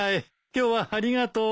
今日はありがとう。